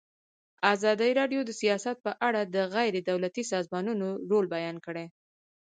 ازادي راډیو د سیاست په اړه د غیر دولتي سازمانونو رول بیان کړی.